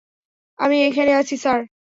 আমি এখানে আছি, স্যার।